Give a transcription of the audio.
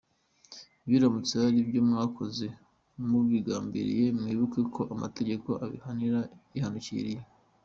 Biramutse ari ibyo mwakoze mubigambiriye, mwibuke ko amategeko abihanira yihanukiriye.